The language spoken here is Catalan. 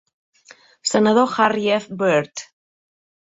Senador Harry F. Byrd.